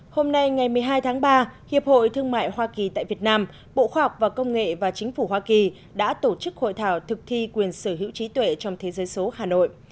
hôm nay ngày một mươi hai tháng ba hiệp hội thương mại hoa kỳ tại việt nam bộ khoa học và công nghệ và chính phủ hoa kỳ đã tổ chức hội thảo thực thi quyền sở hữu trí tuệ trong thế giới số hà nội